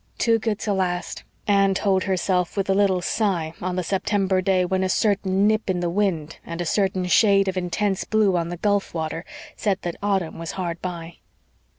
"Too good to last," Anne told herself with a little sigh, on the September day when a certain nip in the wind and a certain shade of intense blue on the gulf water said that autumn was hard by.